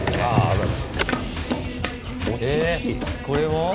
これは？